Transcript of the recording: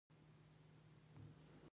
د هغه تره وويل چې زه يې نه درکوم.